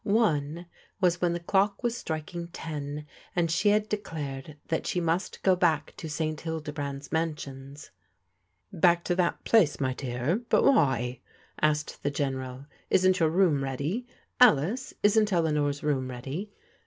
One was when the clock was striking ten, and she had declared that she must go back to St Hildebrand's Mansions. " Back to that place, my dear. But why ?" asked the General. " Isn't your room ready ? Alice, isn't Eleanor's room readv?"